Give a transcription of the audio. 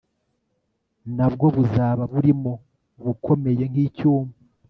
na bwo buzaba burimo ubukomeye nk icyuma